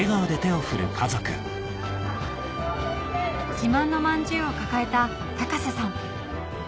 自慢のまんじゅうを抱えた瀬さん